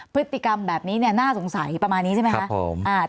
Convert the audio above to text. พฤติกรรมแบบนี้น่าสงสัยประมาณนี้ใช่ไหมคะ